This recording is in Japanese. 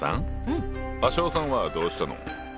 芭蕉さんはどうしたの？